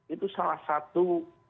itu salah satu